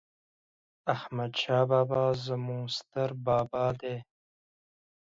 احمد شاه بابا ﺯموږ ستر بابا دي